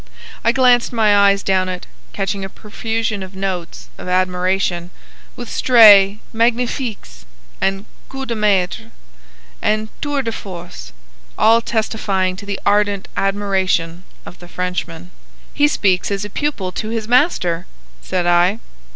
I glanced my eyes down it, catching a profusion of notes of admiration, with stray "magnifiques," "coup de maîtres," and "tours de force," all testifying to the ardent admiration of the Frenchman. "He speaks as a pupil to his master," said I.